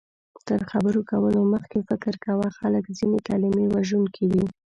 تر خبرو کولو مخکې فکر کوه، ځکه ځینې کلمې وژونکې وي